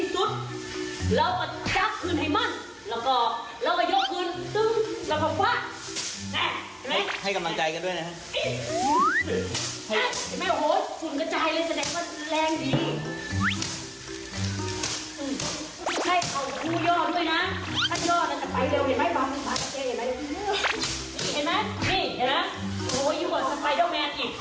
ถ้าย่อดก็จะไปเร็วเห็นไหมบังค์บังค์บังค์เห็นไหม